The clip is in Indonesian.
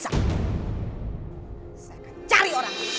saya akan cari orang